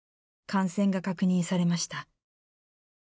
感染が確認されました。